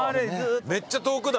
めっちゃ遠くだ。